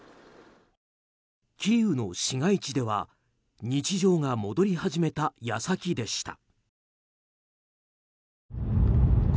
キーウの市街地では日常が戻り始めた矢先でした。